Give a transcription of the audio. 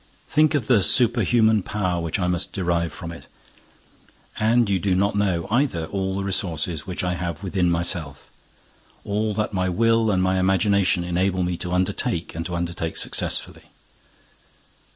Think of the superhuman power which I must derive from it! And you do not know, either, all the resources which I have within myself—all that my will and my imagination enable me to undertake and to undertake successfully.